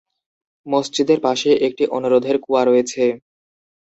মসজিদের পাশে একটি "অনুরোধের কুয়া" রয়েছে।